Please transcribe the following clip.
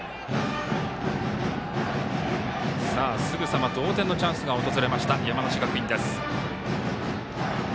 すぐさま同点のチャンスが訪れました山梨学院です。